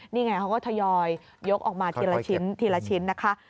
นี่ไงเขาก็ทยอยยกออกมาทีละชิ้นทีละชิ้นนะคะ